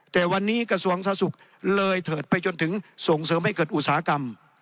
แต่วันนี้กระทรวงสาธารสุขเลยเถิดไปจนถึงส่งเสริมให้เกิดอุตสาหกรรม